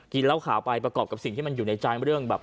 เหล้าขาวไปประกอบกับสิ่งที่มันอยู่ในใจเรื่องแบบ